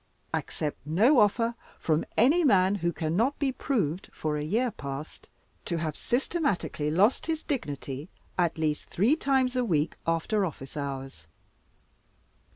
Accept no offer from any man who cannot be proved, for a year past, to have systematically lost his dignity at least three times a week, after office hours.